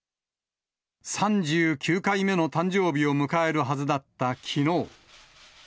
３９回目の誕生日を迎えるはずだったきのう。